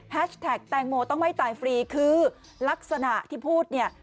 แท็กแตงโมต้องไม่ตายฟรีคือลักษณะที่พูดเนี่ย